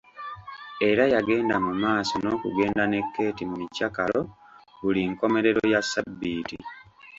Era yagenda mu maaso n’okugenda ne Keeti mu mikyakalo buli nkomerero ya ssabbiiti.